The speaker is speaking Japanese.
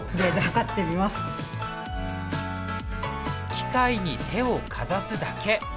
機械に手をかざすだけ。